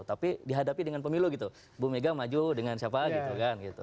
tapi dihadapi dengan pemilu gitu bu mega maju dengan siapa gitu kan gitu